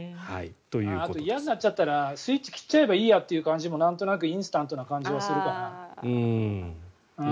あと、嫌になっちゃったらスイッチ切っちゃえばいいやという感じもインスタントな感じがするかな。